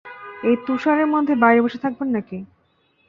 এই তুষারের মধ্যে বাইরে বসে থাকবেন নাকি?